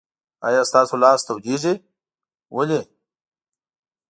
آیا ستاسو لاس تودیږي؟ ولې؟